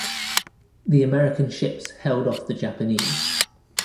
The American ships held off the Japanese.